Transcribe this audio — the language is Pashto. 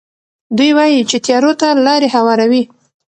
دوی وايي چې تیارو ته لارې هواروي.